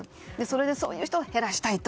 そういう人を減らしたいと。